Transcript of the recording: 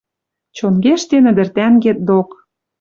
Чонгештен ӹдӹр тӓнгет док.